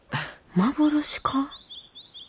幻か？